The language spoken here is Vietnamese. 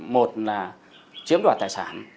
một là chiếm đoạt tài sản